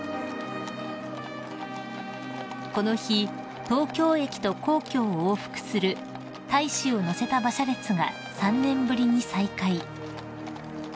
［この日東京駅と皇居を往復する大使を乗せた馬車列が３年ぶりに再開］